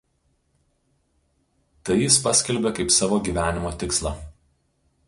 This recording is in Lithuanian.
Tai jis paskelbė kaip savo gyvenimo tikslą.